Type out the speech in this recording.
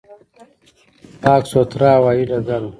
پاک، سوتره هوایي ډګر و.